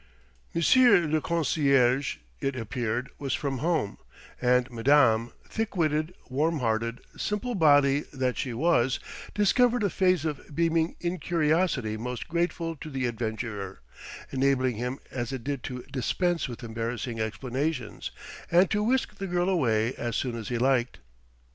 Monsieur le concierge, it appeared, was from home; and madame, thick witted, warm hearted, simple body that she was, discovered a phase of beaming incuriosity most grateful to the adventurer, enabling him as it did to dispense with embarrassing explanations, and to whisk the girl away as soon as he liked.